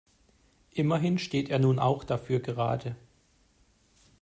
Immerhin steht er nun auch dafür gerade.